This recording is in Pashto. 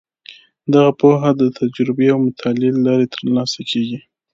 دغه پوهه د تجربې او مطالعې له لارې ترلاسه کیږي.